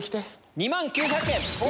２万９００円。